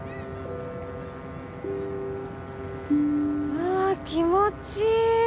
あぁ気持ちいい！